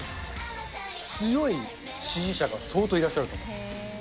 強い支持者が相当いらっしゃると思う。